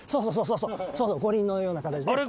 そうそう五輪のような形ね。